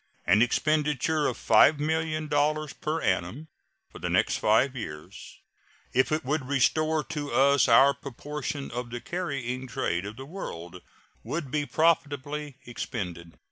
An expenditure of $5,000,000 per annum for the next five years, if it would restore to us our proportion of the carrying trade of the world, would be profitably expended.